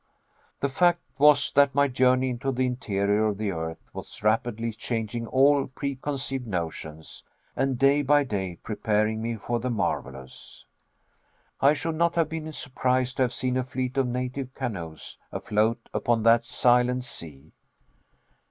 The fact was that my journey into the interior of the earth was rapidly changing all preconceived notions, and day by day preparing me for the marvelous. I should not have been surprised to have seen a fleet of native canoes afloat upon that silent sea.